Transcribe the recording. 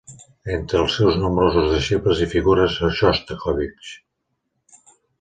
Entre els seus nombrosos deixebles hi figura Xostakóvitx.